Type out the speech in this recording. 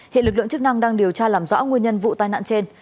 hiện lực lượng chức năng đang điều tra làm rõ nguyên nhân vụ tai nạn trên